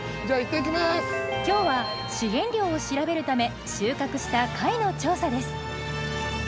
今日は資源量を調べるため収穫した貝の調査です。